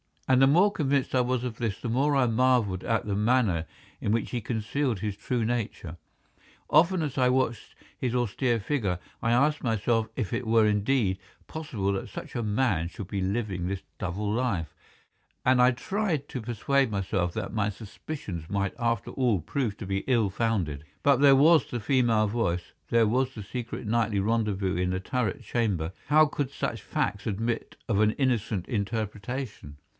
And the more convinced I was of this the more I marvelled at the manner in which he concealed his true nature. Often as I watched his austere figure, I asked myself if it were indeed possible that such a man should be living this double life, and I tried to persuade myself that my suspicions might after all prove to be ill founded. But there was the female voice, there was the secret nightly rendezvous in the turret chamber—how could such facts admit of an innocent interpretation.